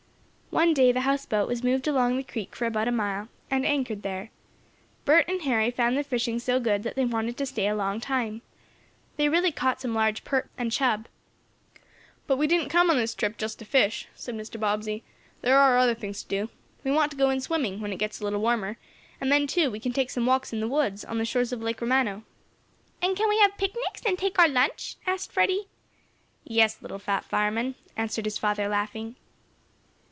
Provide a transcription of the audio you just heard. One day the houseboat was moved along the creek for about a mile, and anchored there. Bert and Harry found the fishing so good, that they wanted to stay a long time. They really caught some large perch and chub. "But we didn't come on this trip just to fish," said Mr. Bobbsey. "There are other things to do. We want to go in swimming, when it gets a little warmer, and then, too, we can take some walks in the woods on the shores of Lake Romano." "And can we have picnics, and take our lunch?" asked Freddie. "Yes, little fat fireman," answered his father, laughing.